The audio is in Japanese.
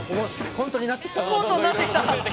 コントになってきた。